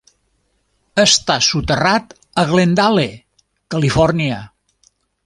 Està soterrat a Glendale, Califòrnia.